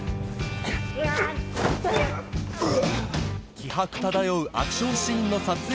気迫漂うアクションシーンの撮影